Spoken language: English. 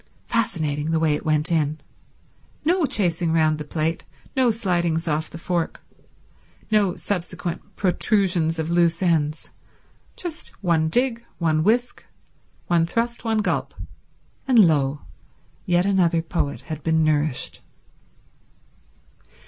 Fascinating, the way it went in. No chasing round the plate, no slidings off the fork, no subsequent protrusions of loose ends—just one dig, one whisk, one thrust, one gulp, and lo, yet another poet had been nourished.